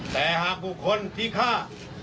แต่หากบุคคลที่ฆ่า